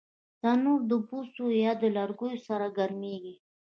تنور د بوسو یا لرګیو سره ګرمېږي